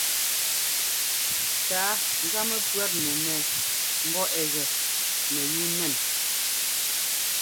Tǎa gá mɛpʉ̈ɔtnu mɛ mbɔ ɛ gɛ mɛyúu nɛn.